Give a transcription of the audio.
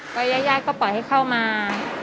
ก็ญาติก็ปล่อยให้เข้ามา